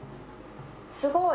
すごい！